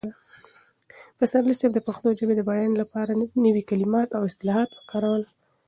پسرلي صاحب د پښتو ژبې د بډاینې لپاره نوي کلمات او اصطلاحات وکارول.